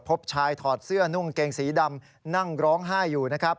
พบชายถอดเสื้อนุ่งเกงสีดำนั่งร้องไห้อยู่นะครับ